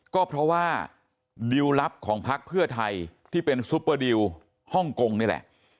ก็เพราะว่าดิวลลับของพักเพื่อไทยที่เป็นซุปเปอร์ดิวฮ่องกงนี่แหละ